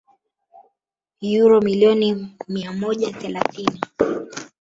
uro milioni mia moja thelathini